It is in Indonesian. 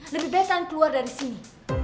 lebih baik kalian keluar dari sini